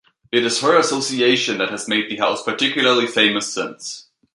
It is her association that has made the house particularly famous since.